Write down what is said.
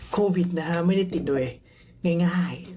โควิดนะฮะไม่ได้ติดโดยง่าย